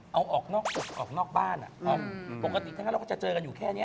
เอาออกนอกบ้านปกติเราก็จะเจอกันอยู่แค่นี้